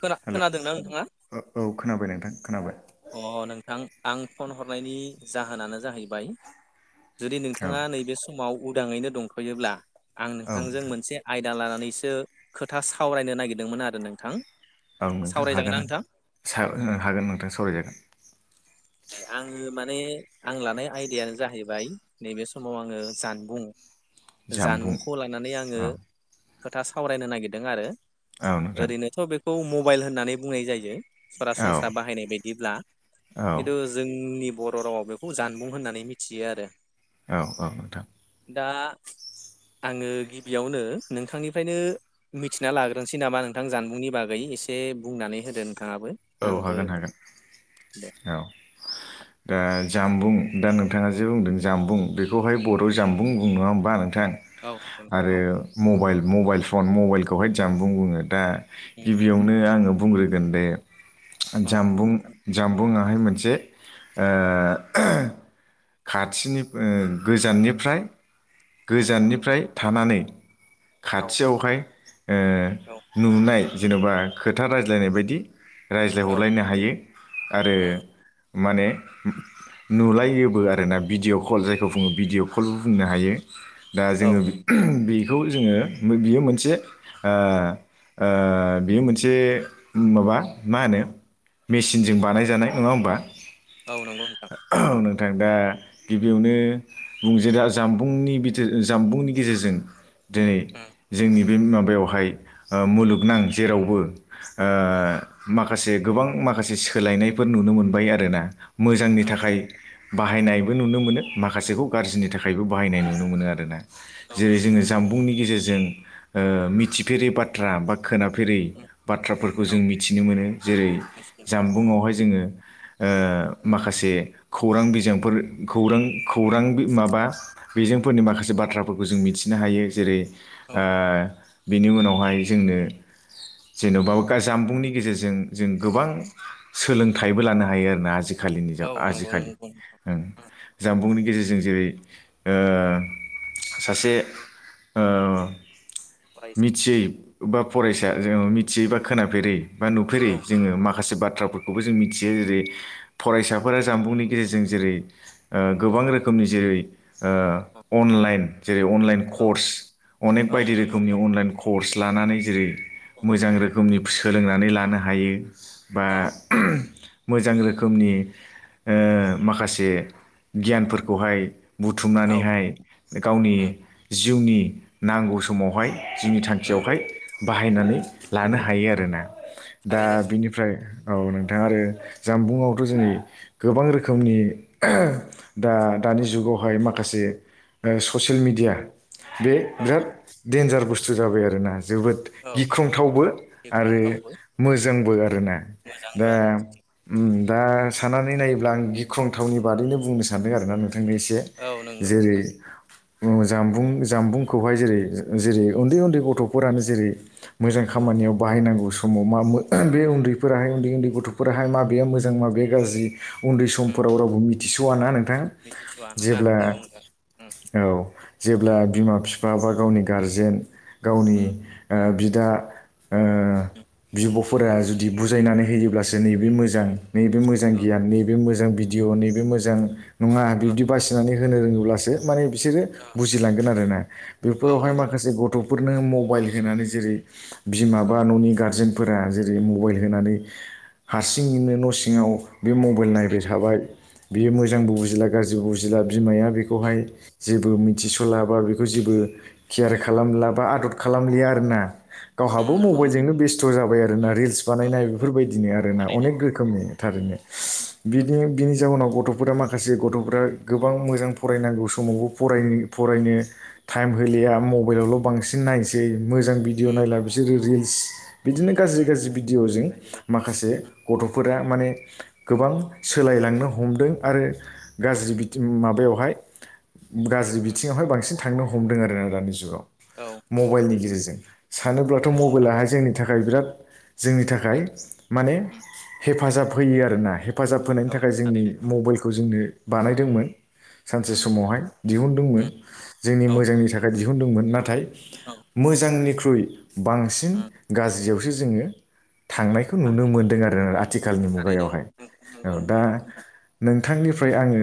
खोना हेल' खोनादोंना नोंथाङा? औ खोनाबाय नोंथां खोनाबाय । अ नोंथां आं फन हरनायनि जाहोनानो जाहैबाय जुदि औ नोंथाङा नैबे समाव उदाङैनो दंथ'योब्ला आं औ नोंथांजों नोंथां मोनसे आइ दा लानानैसो खोथा सावरायनो नागिरदोंमोन आरो नोंथां । औ नोंथां हागोन सा हागोन नोंथां सावरायनो । आङो माने आं लानाय आयदायानो जाहैबाय नैबे समाव आङो जानबुं जामबुं जानबुंखौ लानानै आङो औ खोथा सावरायनो नागिरदों आरो औ नोंथां ओरैनोथ' बेखौ मबाइल होननानै बुंनाय जायो । औ सरासनस्रा बाहायनाय बायदिब्ला औ किन्तु जोंनि बर' रावआव बेखौ जानबुं होननानै मिथियो आरो । औ औ नोंथां दा आङो गिबियावनो नोंथांनिफ्रायनो मिथिना लाग्रोनोसै नामा नोंथां जानबुंनि बागै एसे बुंनानै होदो नोंथाङाबो औ आंबो हागोन हागोन दे औ [inaudible] दा जामबुं दा नोंथाङा जे बुंदों जामबुं बेखौहाय बर' जामबुं बुंङो नङा होमबा नों थां औ आरो नोंथां औ मबाइल मबाइल फन मबाइलखौहाय जनबुं बुङो दा गिबियावनो आङो बुंग्रोगोन दे औ जामबुं जामबुंआ बाहाय मोनसे ओ खाथिनि गोजाननिफ्राय औ गोजाननिफ्राय थानानै खाथियावहाय ओ नुनाय जेन'बा खोथा रायज्लायनाय बायदि औ रायज्लायहरलायनो हायो आरो माने नुलायोबो आरोना भिडिअ' कल जायखौ बुङो भिडिअ' कलबो बुंनो हायो । दा औ जोङो बेखौ जोङो बियो मोनसे ओ ओ बेयो मोनसे माबा मा होनो मेसिनजों बानायजानाय नङा होमबा? औ नोंगौ नोंथां नोंथां दा गिबियावनो बुंसै दा जानबुंनि बिथोर जानबुंनि गेजेरजों दिनै जोंनि बे माबायावहाय मुलुगनां जेरावबो ओ माखासे गोबां माखासे सोलायनायफोर नुनो मोनबाय आरोना मोजांनि औ थाखाय बाहायनायबो नुनो मोनो माखासेखौ गाज्रिनि थाखायबो बाहायनाय नुनो मोनो आरोना औ जेरै जोङो जानबुंनि गेजेरजों जों ओ मिथिफेरै बाथ्रा बा खोनाफेरै बाथ्राफोरखौ औ जों मि थिनो मोनो जेरै मिथिनो मोनो जानबुंआवहाय जोङो माखासे खौरां बिजोंफोर खौरां खौरां माबा बिजोंफोरनि माखासे बाथ्राफोरखौ जों मिथिनो हायो जेरै ओ औ बेनि उनावहाय जोंनो जेन'बा जानबुंनि गेजेरजों जों गोबां सोलोंथाइबो लानो हायो आरोना आजि खालि औ नंगौ आजिखालि नंगौ नोंथां जानबुंनि गेजेरजों जेरै सासे फरायसा मिथियै बा फरायसा जों मिथियै बा खोनाफेरै बा नुफेरै औ जोङो माखासे बाथ्राफोरखौबो जों मिथियो जेरै औ फरायसाफोरा जानबुंनि गेजेरजों जेरै गोबां रोखोमनि जेरै अनलाइन जेरै अनलाइन कर्स अनेक औ बायदि नंगौ रोखोमनि अनलाइन कर्स लानानै जेरै मोजां रोखोमनि सोलोंनानै लानो हायो। बा औ मोजां रोखोमनि माखासे गियानफोरखौहाय औ बुथुमनानैहाय गावनि जिउनि नांगौ समावहाय जोंनि थांखियावहाय बाहायनानै लानो हायो आरोना दा थारैनो बेनिफ्राय औ नोंथां आरो जानबुंआवथ' जोंनि गोबां रोखोमनि दा दानि जुगावहाय माखासे ससियेल मिडिया बे औ बिराद देन्जार बुस्थु जाबाय आरोना। जोबोद औ औ गिख्रंथावबो बेखौ आरो रावबो मोजांबो आरो ना मोजांबो दा आरो फारसेथिं दा सनानै नायो अब्ला आं गिख्रंथावनि बादैनो बुंनो सानदों आरोना नोंथांनो एसे औ नंगौ जेरै नोंथां जामबुं जामबुंखौहाय जेरै जेरै उन्दै उन्दै गथ'फोरानो जेरै मोजां खामानियाव बाहायनांगौ समाव मा बे उन्दैफोराहाय उन्दै उन्दै गथ'फोराहाय माबे मोजां माबेया गाज्रि उन्दै उम समफोराव रावबो मिथिस'वा ना नोंथां मिथिसुवा नङा जेब्ला नंगौ नोंथां उम औ जेब्ला बिमा बिफा बा गावनि गारजेन गावनि उम ओ बि दा बिब'फोरा जुदि बुजायनानै होयोब्लासो नैबे मोजां नैबे मोजां औ गियान नैबे मोजां भिडिय' नैबे मोजां नङा बिब्दि बासिनानै होनो रोङोब्लासो माने बिसोरो औ बुजिलांगोन आरोना औ बेफोरावहाय नंगौ माखासे गथ' फोरनो मबाइल होनानै जेरै बिमा बा न'नि गारजेन फोरा जेरै मबाइल होनानै उम हारसिङैनो न' सि ङाव बे मबाइल उम नायबाय थाबाय बियो उम मोजांबो बुजिला गाज्रिबो बुजिला बिमाया बेखौहाय जेबो उम मिथिस'ला बा बेखौ जेबो केयार उम खालामला बा आदद खालामलिया आरोना उम गावहाबो नंगौ नोंथां मबाइलजोंनो बेस्ट' जाबाय आरो ना उम रिलस औ बानायनाय औ बेफोरबायदिनो आरो ना थारैनो अनेख रोखोमनि थारैनो उम बिदि बि नि जाउनाव गथ'फोरा माखासे गथ'फोरा गोबां मोजां फरायनांगौ समावबो फरायनो फरायनो टाइम होलिया मबाइलावल' बांसिन नायसै मोजां भिडिअ उम नायला बिसोरो रिल्स बिदिनो गाज्रि उम गाज्रि भिडदिअ'जों गाज्रि गाज्रि माखासे गथ'फोरा माने गोबां सोलायलांनो हमदों आरो गाज्रि बिदि माबा बेवहाय गाज्रि बिथिङावहाय बांसिन थांनो हमदों आरोना दानि जुगाव। औ नंगौ मबाइलनि गेजेरजों सानोब्लाथ' नंगौ नोंथां मबाइलाहाय जोंनि थाखाय बिराद जोंनि थाखाय माने उम हेफाजाब होयो आरो ना। हेफ फाजाब होनायनि औ थाखाय जोंनि थारैनो मबाइलखौ जोंनो बानायदोंमोन। सानसे उम समावहाय दिहुनदोंमोन उम जोंनि औ मोजांनि थाखाय दिहुनदोंमोन नाथाय औ मोजांनिख्रुइ बांसिन उम गाज्रियावसो जोङो थांनायखौ नुनो बाहाय मोनदों आरोना आथिखालनि थारैनो मुगायावहाय नंगौ औ दा। नोंथां नोंथांनिफ्राय आङो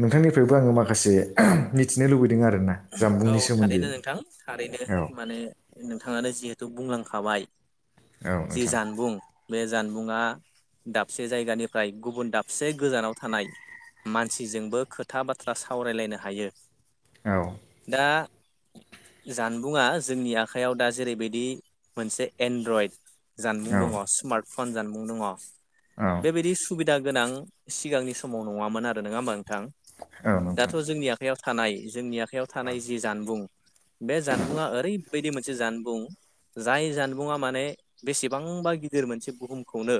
नोंथांनिफ्रायबो आङो माखासे मिथिनो लुबैदों आरोना औ जामबुंनि सोमोन्दै थारैनो नोंथां थारैनो औ माने नोंथाङानो जिहेथु बुंलांखाबाय औ जि नोंथां जानबुं बे जान बुङा दाबसे जायगानिफ्राय गुबुन दाबसे गोजानाव थानाय । मानसिजोंबो खोथा बाथ्रा सावरायलायनो हायो। औ। [inaudible] जानबुंङा जोंनि आखाइयाव दा जेरै'बायदि मोनसे एन्ड्रइड जानबुं औ दङ स्मार्ट फन जानबुं दङ' औ बेबायदि सुबिद दा गोनां सिगांनि समाव नङामोन आरो नङा होमबा नोंथां। औ नोंथां दाथ' जोंनि आखयाव थानाय जोंनि आखयाव औ थानाय जि जानबुं बे जानबुंङा ओरै'बायदि मोनसे जानबुं जाय जानबुंङा माने बेसेबांबा गिदिर मोनसे बुहुमखौनो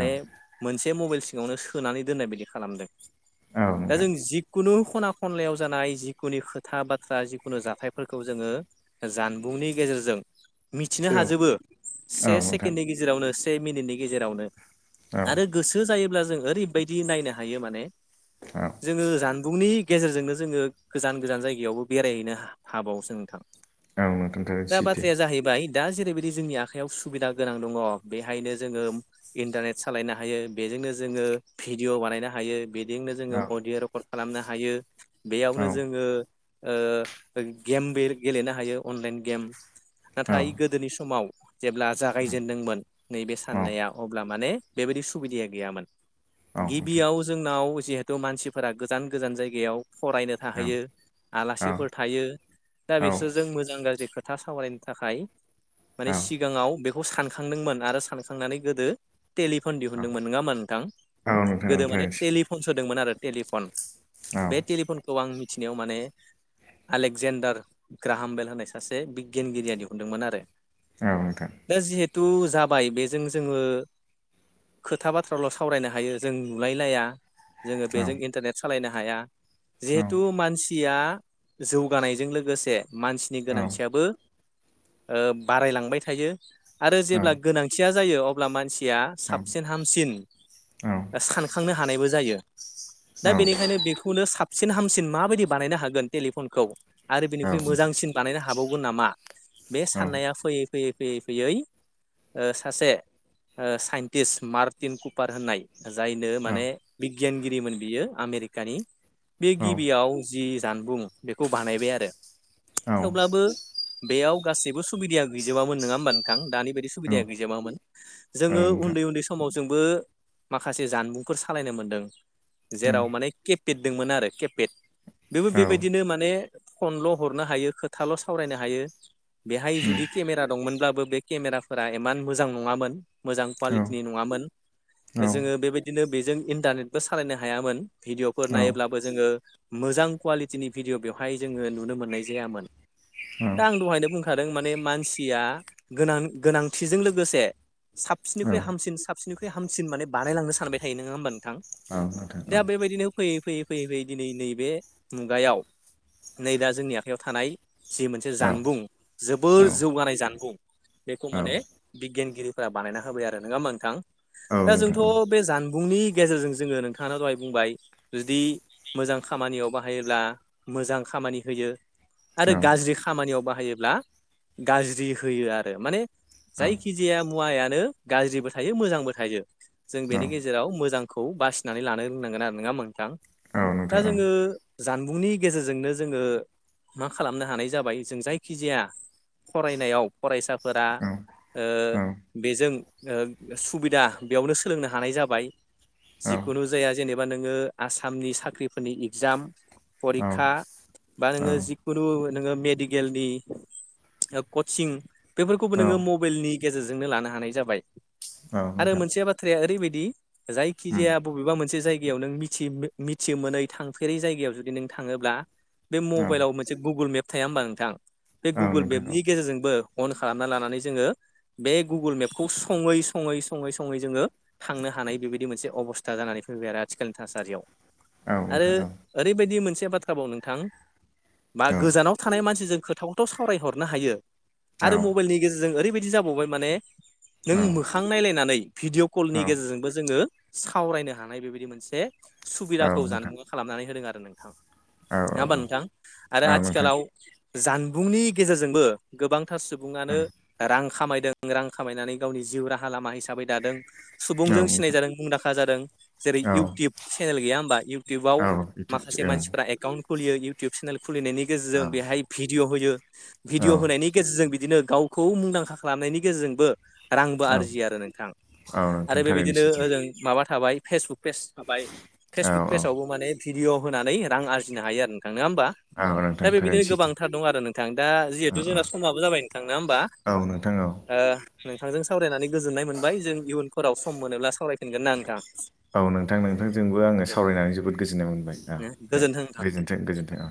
औ नोंथां मोनसे मबाइल सिङावनो सोनानै दोननाय बायदि खालामदों। औ औ दा नोंथां जों जिखुनु खना खनलायाव जानाय जिखुनु खो खोथा बाथ्रा जिखुनु जाथायफोरखौ जोङो जानबुंनि गेजेरजों मिथिनो हाजोबो से सेकेण्डनि गेजेरावनो से मिनिटनि गेजेरावनो औ आरो गोसो जायोब्ला जों ओरैबायदि नायनो हायो माने औ जोङो जान बिुंनि गेजेरजोंनो जोङो गोजान गोजान जायगायावबो बेरायहैनो हाबावसो नोंथां। औ नोंथां थारैनो दा सैथो बाथ्राया जाहैबाय दा जेरैबायदि जोंनि आखाइायाव सुबिदा गोनां दङ बेहायनो जोङो इन्टारेट सालायनो हायो बे [inaudible] जोंनो जोङो भिडअ बानायनो हायो बेदेंनो जोङो औ अदिय' रेकर्ड खालामनो हायो औ बेयावनो जोङो ओ गेम बेल गेलेनो हायो अनलाइन गेम औ नाथाय गोदोनि समाव जेब्ला जागायजेनदोंमोन नैबे साननाया अब्ला माने बेबायाददि सुबिदाया गैयामोन औ नोंथां गिबियाव जोंनाव जिहेथु मानसिफोरा गोजान गोजान जायगायाव फरायनो औ थाहैयो औ आलासिफोर थायो दा औ बिसोर जों मोजां गाज्रि खोथा सावरायनो थाखाय माने औ सिगाङाव बेखौ सानखांदोंमोन आरो सानखांनानै गोदो टेलिफन औ दिहुनदोंमोन नङामा नोंथां। नोंथां गोदो माने औ थारैनो सैथो टेलिफन सोदोंमोन आरो टेलिफन औ नोंथां बे औ टेलिफनखौ आं मिथिनायाव माने आलेकजेन्डार ग्राहामबेल होननाय सासे बिगियानगिरिया दिहुनदोंमोन आरो। औ नोंथां। टु जाबाय बेजों जोङो खोथा बाथ्राल' सावरायनो हायो जों नुलायलाया जोङो बेजों इन्टारनेट सालायनो हाया जिहेथु मानसिया जौगानायजों लोगोसे मानसिनि औ गोनांथियाबो ओ बारायलांबाय थायो आरो जेब्ला औ गोनांथिया जायो अब्ला मानसि या साबसिन हामसिन औ औ सानखांनो हानायबो जायो। दा औ बेनिखायनो बेखौनो साबसिन हामसिन माबायदि बानायनो हागोन टेलिफनखौ आरो औ नोंथां बिनिख्रुइ मोजांसिन बानायनो हाबावगोन नामा बे साननाया फैयै फैयै फैयै फैयै ओ सासे ओ साइन्टिस्ट मार्टिन कुपार होननाय। जायनो औ माने बिगियानगिरिमोन बियो आमेरिकानि बि औ गिबियाव जि जानबुं बेखौ बानायबाय आरो। औ। थेवब्लाबो बेयाव गाससिबो सुबिदाया गैजोबामोन नङा होमबा नोंथां दानि बेबायदि सुबिदाया गैजोबामोन जोङो नोंथां उन्दै उन्दै समाव जोंबो माखासे जानबुंफोर सालायनो मोनदों जेराव माने के पेट दंमोन आरो केपेट बेबो औ बेबाय फनल' हरनो हायो खोथाल' सावरायनो हायो बेहाय उम जुदि केमेरा दंमोनब्लाबो बे केमेराफोरा एमान मोजां नङामोन । मोजां औ कुवालिटिनि नङामोन औ जोङो बेबायदिनो बेजों इन्टारनेटबो सालायनो हायामोन । भिडिअ'फोर औ नायोब्लाबो जोङो मोजां कुवालि तिनि भिडिअ' बेवहाय जोङो नुनो मोननाय जायामोन दा नोंथां औ आं दहायनो बुंखा दों माने मानसिया गोनांथिजों लोगोसे औ साबसिननिख्रुइ हामसिन साबसिननिख्रुइ हामसिनान बानायलांनो सानबाय थायो नङा होमबा नों थां औ नोंथां औ औ नोंथां औ दा बेबायदिनो फैयै फैयै फैयै फैयै दिनै नैबे मुगायाव नै दा जोंनि आखाइयाव थानाय जि मोनसे जानबुं जोबोर जौगानाय जानबुं बेखौ माने बिगियानगिरि फोरा बानायना होबाय आरो नङा होमबा नोंथां दा औ जोंथ' नोंथां उम औ नोंथां औ नोंथां औ नोंथां औ नोंथां औ बे जान बुंनि गेजेरजों जोङो नोंथाङा दहाय बुंबाय जुदि मोजां खामानियाव बाहाय योब्ला मोजां खामानि होयो आरो औ गाज्रि खामानियाव बा हायोब्ला गाज्रि होयो आरो माने जायखि जाया मु वायानो गाज्रिबो थायो मोजांबो थायो जों बेनि गेजेराव मोजां खौ बासिनानै लानो रोंनांगोन आरो नङा होनबा नोंथां दा जोङो जानबुंनि गेजेरजोंनो जोङो मा खालामनो हानाय जाबाय जों जायखिजाया फरायनायाव फरायसाफोरा ओ बेजों ओ सुबिदा बेयावनो सोलोंनो हानाय जाबाय जिखुनु जाया जेने बा नोङो आसामनि साख्रिफोरनि इगजाम फरिखा बा नोङो जिखुनु नोङो मेडिकेलनि कचिं बेफोरखौबो नोङो मबेइल नि गेजेरजोंनो लानो हानाय जाबाय आरो मोनसे बाथ्राया ओरैबायदि जायखिजाया बबेबा मोनसे जायगायाव नों मि मिथि मोनै थांफेरै जायगायाव नों थाङोब्ला बे मबाइलाव मोनसे गुगोल मेप थाया होमबा नोंथां? बे गुगोल मेपनि गेजेरजोंबो अन खालामना लानानै जोङो बे गुगोल मेपखौ सङै सङै सङै सङै जोङो थांनो हानाय बेबायदि मोनसे अबस्था जानानै फैबाय आरो आथिखालनि थासारियाव औ नोंथां औ बिदि मोनसे बाथ्राबाव नोंथां बा गोजानाव थानाय मानसिजों खोथाखौथ' सावरायहरनो हायो आरो मबेइलनि गेजेरजों ओरैबायदि जाबावबाय माने नों मोखां नायलायनानै भिडिअ' कलनि गेजेरजोंबो जोङो सावरायनो हानाय बेबायदि मोनसे सुबिदाखौ जानबुंआ खालामनानै होदों आरो नोंथां । नङा होमबा नोंथां आरो आथिखालाव जानबुंनि गेजेरजोंबो गोबां थार सुबुङानो रां खामायदों रां खामायनानै गावनि जिउ राहा लामा हिसाबै दादों । सुबुंजों सिनाय जादों नोंथां मुंदांखा जादों जेरै औ इउटुब चेनेल गैया होमबा इउटुबाव औ माखासे इउटुबजों मानसिफोरा एकाउन्ट खुलियो इउटुब चेनेल खुलिनायनि औ गेजेरजों बेहाय भिडिअ' होयो औ भिडिअ' होनायनि गेजेरजों बिदिनो गावखौ मुंदांखा खालामनायनि गेजेरजोंबो रांबो औ आरजियो आरो नोंथां औ आरो नोंथां थारैनो बेबायदिनो सैथो ओजों माबा थाबाय फेसबुक पेज थाबाय औ फेसबुक औ पेजावबो माने भिडिअ' होनानै रां आरजिनो हायो आरो नोंथां नङा होमबा? औ दा नोंथां थारैनो बेबायदिनो सैथो गोबांथार दं आरो नोंथां दा औ जिहेथु जोंना समाबो जाबाय नोंथां नंङा होमबा औ नोंथां औ ओ नोंथांजों सावरायनानै गोजोननाय मोनबाय जों इयुनफोराव सम मोनोब्ला सावराय औ नोंथां नोंथांजोंबो आङो दे सावरायनानै जोबोद गोजोननाय मो नबाय औ दे गोजोन्थों नोंथां गोजोन्थों गोजोन्थों